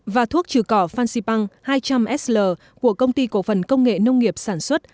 và thuốc trừ cỏ fansipang hai trăm linh sl của công ty cổ phần công nghệ nông nghiệp sản xuất